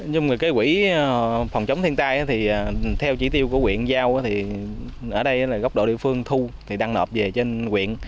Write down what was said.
trong người kế quỹ phòng chống thiên tài thì theo chỉ tiêu của huyện giao thì ở đây là góc độ địa phương thu thì đăng nộp về trên huyện